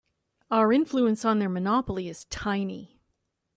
Our influence on their monopoly is tiny.